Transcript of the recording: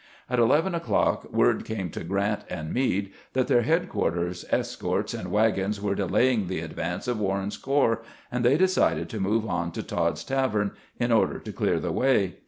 At eleven o'clock word came to Grant and Meade that their headquarters escorts and wagons were delaying the advance of Warren's corps, and they decided to move on to Todd's tavern in order to clear the way.